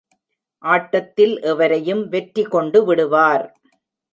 ஆட்டத்தில் எவரையும் வெற்றி கொண்டு விடுவார்.